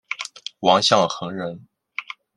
王象恒人。